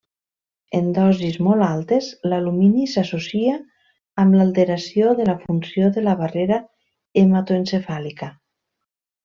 En dosis molt altes, l'alumini s'associa amb alteració de la funció de la barrera hematoencefàlica.